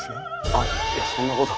あっいやそんなこと。